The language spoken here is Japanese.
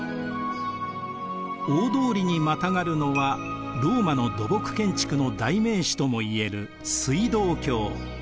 大通りにまたがるのはローマの土木建築の代名詞ともいえる水道橋。